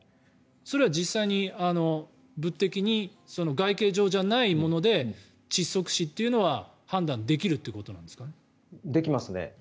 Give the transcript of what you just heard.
それは実際に物的に、外形上じゃないもので窒息死というのは判断できるということなんですかね。